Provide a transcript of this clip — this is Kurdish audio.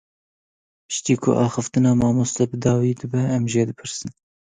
Piştî ku axaftina mamoste bi dawî bibe, em jê dipirsin.